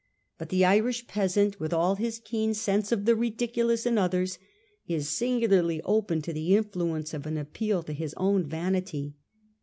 But the Irish peasant, with all his keen sense of the ridiculous in others, is singularly open to the influence of any appeal to his own vanity.